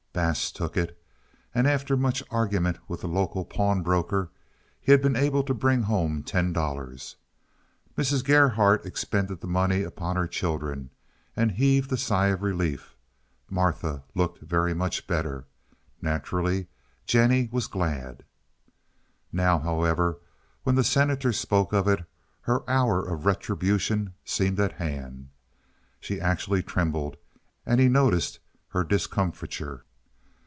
Bass took it, and after much argument with the local pawn broker, he had been able to bring home ten dollars. Mrs. Gerhardt expended the money upon her children, and heaved a sigh of relief. Martha looked very much better. Naturally, Jennie was glad. Now, however, when the Senator spoke of it, her hour of retribution seemed at hand. She actually trembled, and he noticed her discomfiture.